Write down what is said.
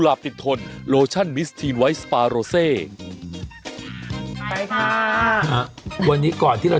วันนี้ก่อนที่เราจะไปเลยนะ